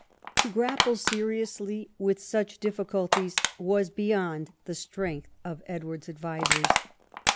To grapple seriously with such difficulties was beyond the strcngtli of Edward's advisers.